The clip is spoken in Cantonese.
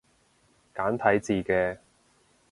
簡體字嘅